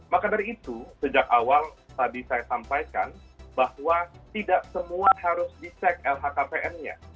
maka dari itu sejak awal tadi saya sampaikan bahwa tidak semua harus dicek lhkpn nya